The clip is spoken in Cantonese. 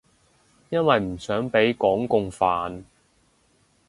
因為唔想畀港共煩